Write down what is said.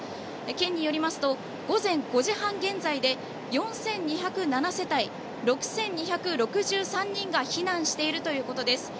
県によりますと午前５時半現在で４２０７世帯６２６３人が避難しているということです。